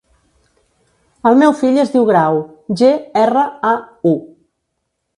El meu fill es diu Grau: ge, erra, a, u.